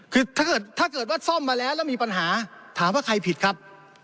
คือถ้าเกิดว่าซ่อมมาแล้วแล้วมีปัญหาถามว่าใครผิดครับ